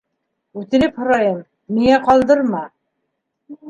- Үтенеп һорайым: миңә ҡалдырма!